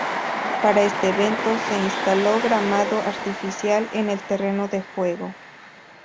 Para este evento, se instaló gramado artificial en el terreno de juego.